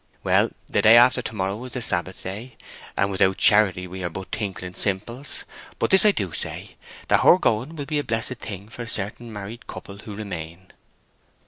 "Well, the day after to morrow is the Sabbath day, and without charity we are but tinkling simples; but this I do say, that her going will be a blessed thing for a certain married couple who remain."